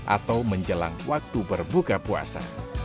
atau menjelang waktu berbuka puasa